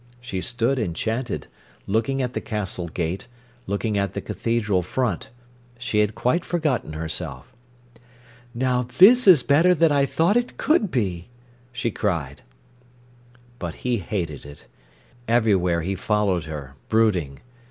She stood enchanted, looking at the castle gate, looking at the cathedral front. She had quite forgotten herself. "Now this is better than I thought it could be!" she cried. But he hated it. Everywhere he followed her, brooding.